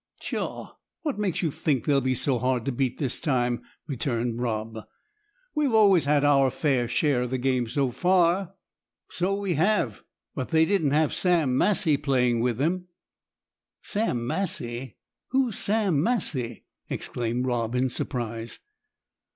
"Pshaw! What makes you think they'll be so hard to beat this time?" returned Rob. "We've always had our fair share of the games so far." "So we have; but they didn't have Sam Massie playing with them." "Sam Massie! who's Sam Massie?" exclaimed Rob, in surprise.